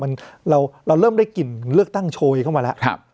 เราเริ่มได้กลิ่นเลือกตั้งโชยเข้ามาแล้ว